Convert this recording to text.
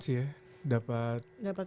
sih ya dapat